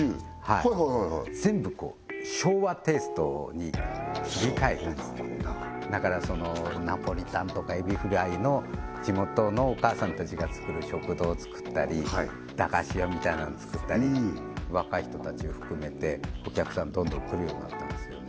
はいはいはい全部こう昭和テイストに塗り替えたんですねだからそのナポリタンとかエビフライの地元のお母さんたちが作る食堂をつくったり駄菓子屋みたいなのをつくったり若い人たちを含めてお客さんどんどん来るようになったんですよね